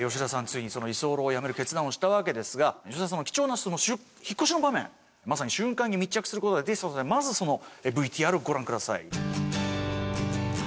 ついにその居候をやめる決断をしたわけですが吉田さんの貴重なその引っ越しの場面まさに瞬間に密着する事ができたそうなのでまずそのＶＴＲをご覧ください。